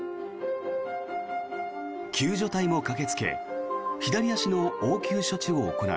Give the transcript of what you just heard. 救助隊も駆けつけ左足の応急処置を行う。